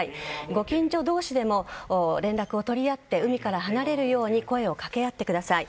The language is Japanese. ご近所同士でも連絡を取り合って海から離れるように声を掛け合ってください。